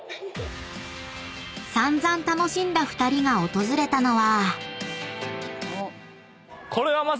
［散々楽しんだ２人が訪れたのは］